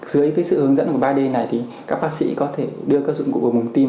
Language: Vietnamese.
dưới cái sự hướng dẫn của ba d này thì các bác sĩ có thể đưa các dụng cụ của bồn tim